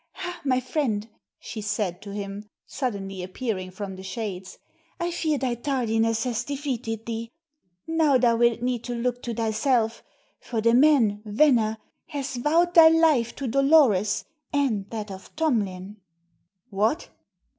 "Hah, my friend," she said to him, suddenly appearing from the shades. "I fear thy tardiness has defeated thee. Now thou'lt need to look to thyself, for the man Venner has vowed thy life to Dolores, and that of Tomlin." "What!